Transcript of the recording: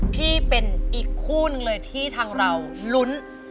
พี่เป็นอีกคู่หนึ่งเลยที่ทางเราลุ้น